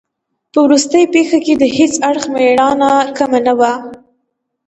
په وروستۍ پېښه کې د هیڅ اړخ مېړانه کمه نه وه.